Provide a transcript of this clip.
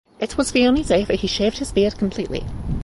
It was the only day that he shaved his beard completely.